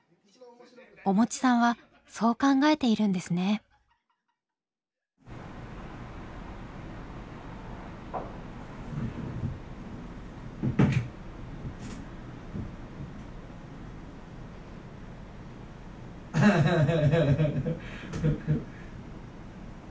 おもちさんはそう考えているんですねハハハハ。